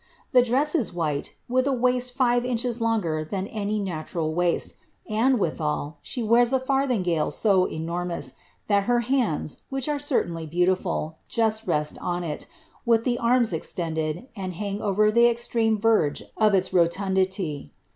The dress is white, with a waist Bre inches longer than any natural waist, and withal, she wears a farthingale so enormous that her hands, which are certainly beautiful, just rest on it, with the arms extended, and hang over the extreme verge of its rotundity.